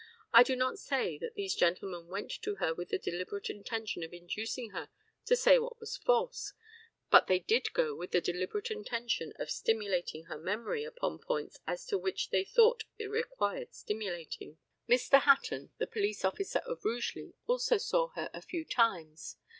I do not say that these gentlemen went to her with the deliberate intention of inducing her to say what was false; but they did go with the deliberate intention of stimulating her memory upon points as to which they thought it required stimulating. Mr. Hatton, the police officer of Rugeley, also saw her a few times.